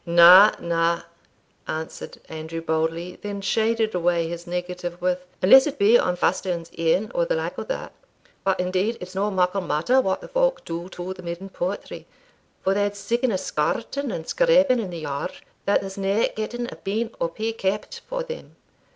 "Na, na," answered Andrew boldly; then shaded away his negative with, "unless it be on Fastern's e'en, or the like o' that But indeed it's no muckle matter what the folk do to the midden pootry, for they had siccan a skarting and scraping in the yard, that there's nae getting a bean or pea keepit for them.